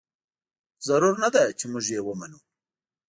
ضرور نه ده چې موږ یې ومنو.